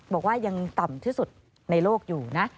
บอกว่ายังต่ำที่สุดในโลกอยู่นะ